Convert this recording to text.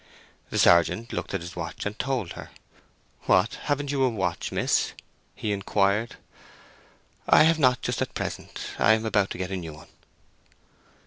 The sergeant looked at his watch and told her. "What, haven't you a watch, miss?" he inquired. "I have not just at present—I am about to get a new one."